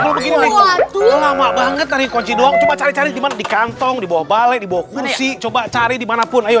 lama banget tadi kunci doang di kantong dibawa balai dibawa kursi coba cari dimanapun ayo